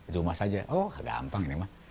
di rumah saja oh gampang ini mah